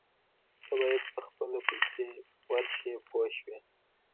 تۀ باید په خپله پسې ورشې پوه شوې!.